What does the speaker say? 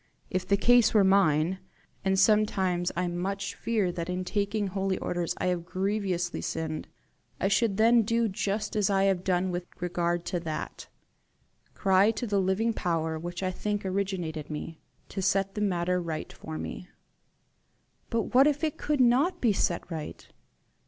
If the case were mine and sometimes I much fear that in taking holy orders I have grievously sinned I should then do just as I have done with regard to that cry to the living power which I think originated me, to set the matter right for me." "But if it could not be set right?"